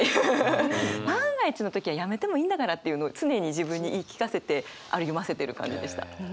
万が一の時はやめてもいいんだからっていうのを常に自分に言い聞かせて歩ませてる感じでした。